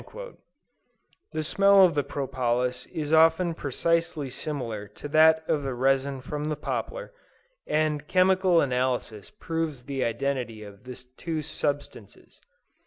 The smell of the propolis is often precisely similar to that of the resin from the poplar, and chemical analysis proves the identity of the two substances.